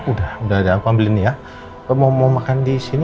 udah udah ada aku ambilin nih ya mau makan disini apa mau makan disini aja